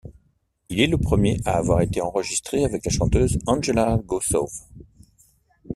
Il est le premier à avoir été enregistré avec la chanteuse Angela Gossow.